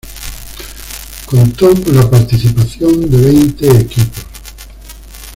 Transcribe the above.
Contó con la participación de veinte equipos.